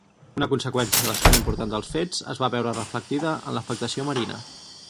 Una conseqüència bastant important dels fets, es va veure reflectida en l'afectació marina.